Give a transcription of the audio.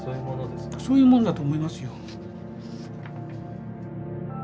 そういうものだと思いますよ。